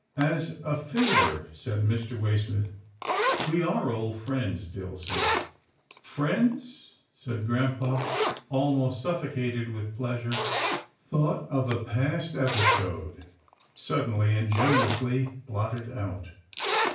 " As a favour," said Mr. Waysmith. " We are old friends, Dillson." Friends !" and grampa, almost suffocated with pleasure, thought of a past episode, suddenly and generously blotted out.